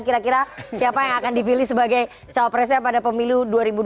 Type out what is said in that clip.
kira kira siapa yang akan dipilih sebagai cawapresnya pada pemilu dua ribu dua puluh